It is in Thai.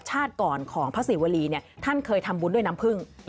ชาติก่อนของพระศิวรีเนี่ยท่านเคยทำบุญด้วยน้ำผึ้ง